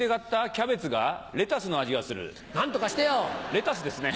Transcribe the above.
レタスですね。